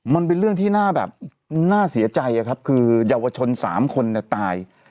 มันเป็นเรื่องที่น่าแบบน่าเสียใจครับคือเยาวชน๓คนตาย